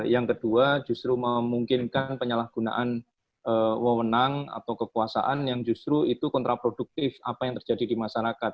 yang kedua justru memungkinkan penyalahgunaan wewenang atau kekuasaan yang justru itu kontraproduktif apa yang terjadi di masyarakat